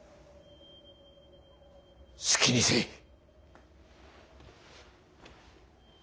好きにせい。